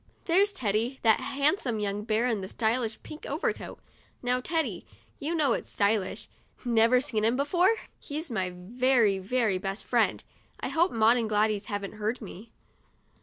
There's Teddy— that handsome young bear in the stylish pink overcoat. Now Teddy, you know it's stylish. Never seen him before? He's my very, very best friend. I hope Maud and Gladys haven't heard me."